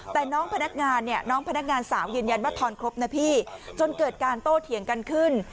แต่น้องพนักงานเนี่ยน้องพนักงานสาวยืนยันว่าทอนครบนะพี่จนเกิดการโต้เถียงกันขึ้น